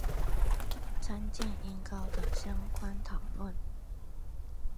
参见音高的相关讨论。